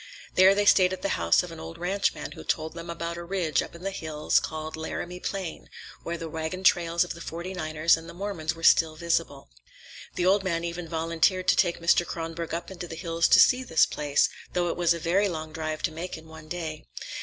There they stayed at the house of an old ranchman who told them about a ridge up in the hills called Laramie Plain, where the wagon trails of the Forty niners and the Mormons were still visible. The old man even volunteered to take Mr. Kronborg up into the hills to see this place, though it was a very long drive to make in one day.